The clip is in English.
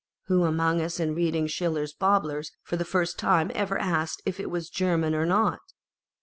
Who among us in reading Schiller's Bobbers for the first time ever asked if it was German or not